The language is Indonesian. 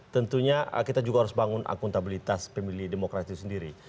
tentunya kita juga harus bangun akuntabilitas pemilih demokrasi itu sendiri